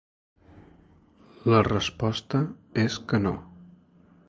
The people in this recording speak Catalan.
La resposta és que no.